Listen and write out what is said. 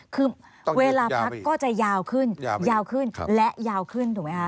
คือเวลาพักก็จะยาวขึ้นยาวขึ้นและยาวขึ้นถูกไหมคะ